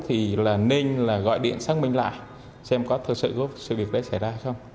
thì nên gọi điện xác minh lại xem có thực sự có sự việc đấy xảy ra không